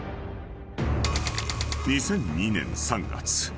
［２００２年３月。